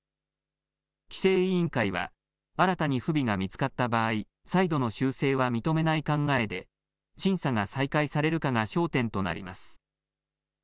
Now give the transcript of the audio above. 規制委員会は新たに不備が見つかった場合、再度の修正は認めない考えで審査が再開されるかが焦点となります。